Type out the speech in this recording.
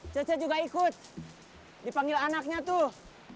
caca juga ikut dipanggil anaknya tuh